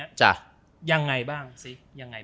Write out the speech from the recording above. ยังไงฟ้าง